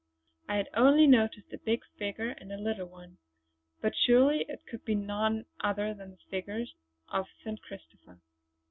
I had only noticed a big figure and a little one; but surely it could be none other than a figure of St. Christopher.